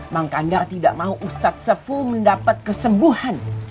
mang kandar tidak mau ustadz sepuh mendapat kesembuhan